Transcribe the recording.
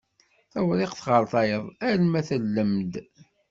Tawriqt ɣer tayeḍ alma tellem-d.